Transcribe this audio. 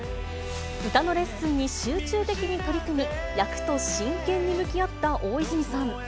歌のレッスンに集中的に取り組み、役と真剣に向き合った大泉さん。